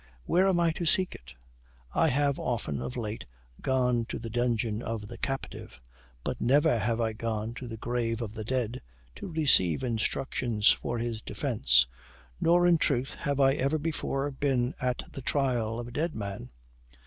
Where am I to seek it? I have often, of late, gone to the dungeon of the captive, but never have I gone to the grave of the dead, to receive instructions for his defence; nor, in truth, have I ever before been at the trial of a dead man!